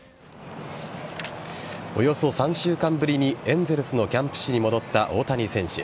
およそ３週間ぶりにエンゼルスのキャンプ地に戻った大谷選手。